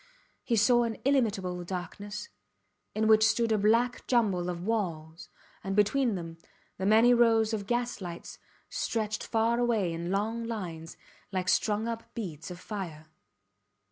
He saw an illimitable darkness, in which stood a black jumble of walls, and, between them, the many rows of gaslights stretched far away in long lines, like strung up beads of fire.